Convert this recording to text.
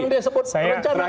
yang disebut rencana